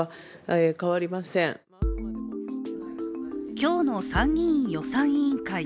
今日の参議院予算委員会。